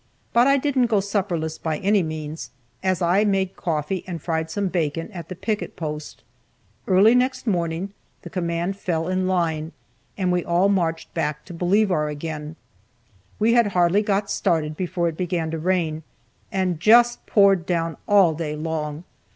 But I didn't go supperless by any means, as I made coffee and fried some bacon at the picket post. Early next morning the command fell in line, and we all marched back to Bolivar again. We had hardly got started before it began to rain, and just poured down all day long.